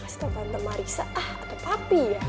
kasih tau tentang marisa atau papi ya